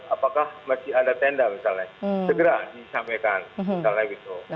apakah masih ada tenda misalnya segera disampaikan misalnya gitu